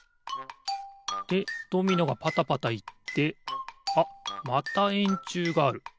でドミノがパタパタいってあっまたえんちゅうがある。